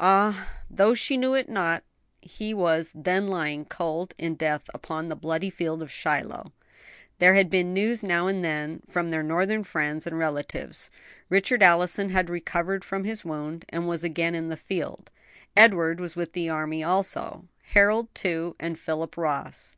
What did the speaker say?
Ah, though she knew it not, he was then lying cold in death upon the bloody field of Shiloh. There had been news now and then from their Northern friends and relatives. Richard Allison had recovered from his wound, and was again in the field. Edward was with the army also; Harold, too, and Philip Ross.